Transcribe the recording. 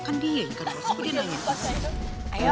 kan dia ikan rosak dia nyanyi